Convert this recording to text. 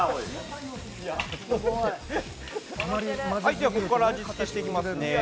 ではここから味付けしていきます。